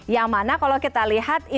yang mana kalau kita lihat